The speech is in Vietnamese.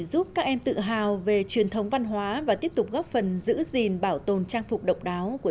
giúp các em tự hào về truyền thống văn hóa và tiếp tục góp phần giữ gìn bảo tồn trang phục độc đáo của